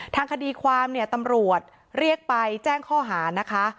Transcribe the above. ทางคดีความเนี่ยตำรวจเรียกไปแจ้งข้อหานะคะ